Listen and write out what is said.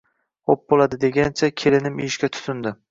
Xo`p bo`ladi, degancha kelinim ishga tutindi